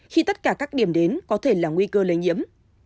khi tất cả các điểm đến có thể là nguy cơ lây nhiễm